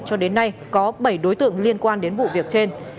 cho đến nay có bảy đối tượng liên quan đến vụ việc trên